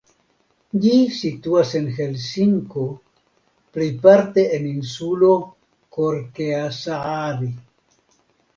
Ĝi situas en Helsinko plejparte en insulo Korkeasaari.